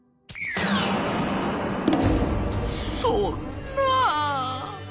「そんな」。